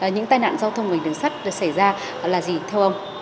những tai nạn giao thông ngành đường sắt xảy ra là gì theo ông